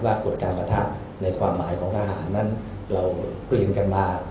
กฎการประทะในความหมายของทหารนั้นเราก็เรียนกันมา